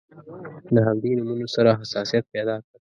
له همدې نومونو سره حساسیت پیدا کړ.